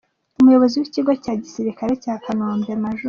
Umuyobozi w’ikigo cya Gisirikare cya Kanombe, Maj.